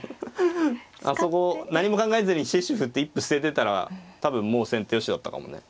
あそこ何も考えずに７七歩って一歩捨ててたら多分もう先手よしだったかもね。